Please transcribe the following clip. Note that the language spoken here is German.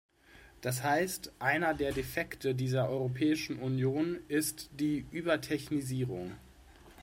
Das heißt, einer der Defekte dieser Europäischen Union ist die "Übertechnisierung".